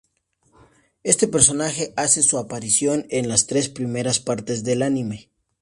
Este personaje hace su aparición en las tres primeras partes del anime.